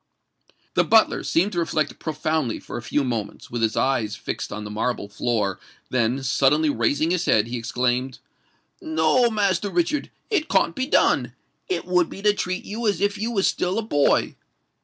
The butler seemed to reflect profoundly for a few moments, with his eyes fixed on the marble floor then, suddenly raising his head, he exclaimed, "No, Master Richard—it can't be done! It would be to treat you as if you was still a boy.